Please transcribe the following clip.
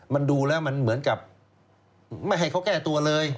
มันดูแล้วมันเหมือนกับไม่ให้เขาแก้ตัวเลย